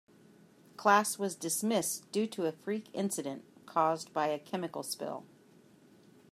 Class was dismissed due to a freak incident caused by a chemical spill.